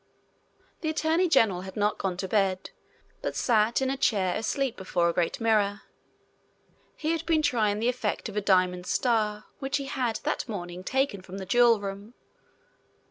The attorney general had not gone to bed, but sat in a chair asleep before a great mirror. He had been trying the effect of a diamond star which he had that morning taken from the jewel room.